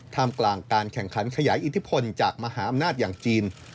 มกลางการแข่งขันขยายอิทธิพลจากมหาอำนาจอย่างจีน